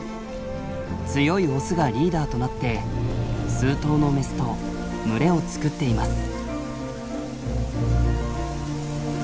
強いオスがリーダーとなって数頭のメスと群れを作っています。